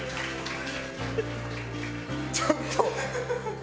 ちょっと。